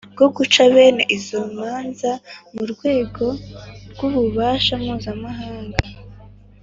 bwo guca bene izo manza mu rwego ry'ububasha mpuzamahanga.